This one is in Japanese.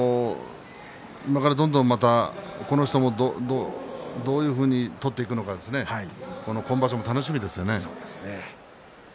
これからどんどんまたこの人もどういうふうに取っていくのか今場所も楽しみですね。